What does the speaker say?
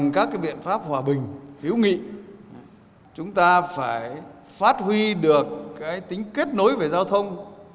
các biện pháp hòa bình hữu nghị chúng ta phải phát huy được tính kết nối về giao thông